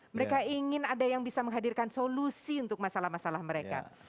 mereka ingin ada yang bisa menghadirkan solusi untuk masalah masalah mereka